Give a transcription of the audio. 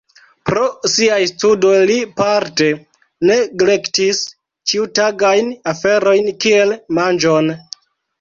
Pro siaj studoj li parte neglektis ĉiutagajn aferojn kiel manĝon.